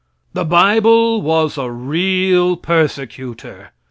The bible was the real persecutor.